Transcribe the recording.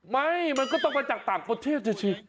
ไม่มันก็ต้องมาจากต่างประเทศสิ